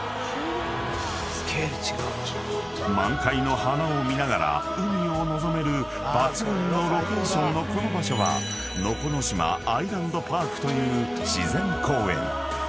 ［満開の花を見ながら海を望める抜群のロケーションのこの場所はのこのしまアイランドパークという自然公園］